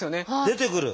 出てくる！